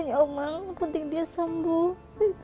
anak anak saya satu satunya pak laki laki